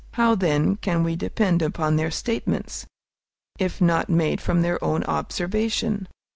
How, then, can we depend upon their statements, if not made from their own observation?